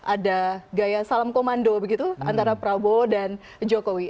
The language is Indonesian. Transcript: ada gaya salam komando begitu antara prabowo dan jokowi